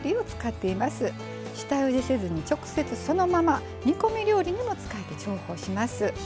下ゆでせずに直接そのまま煮込み料理にも使えて重宝します。